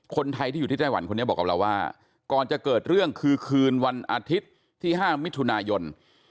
คนไทยที่อยู่ที่ไต้หวันคนนี้บอกกับเราว่าก่อนจะเกิดเรื่องคือคืนวันอาทิตย์ที่๕มิถุนายน